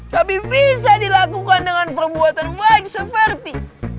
tapi bisa dilakukan dengan perbuatan baik seperti